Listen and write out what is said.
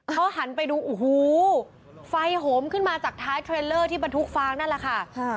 เขาหันไปดูโอ้โหไฟโหมขึ้นมาจากท้ายเทรลเลอร์ที่บรรทุกฟางนั่นแหละค่ะ